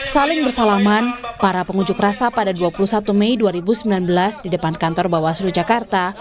saling bersalaman para pengunjuk rasa pada dua puluh satu mei dua ribu sembilan belas di depan kantor bawaslu jakarta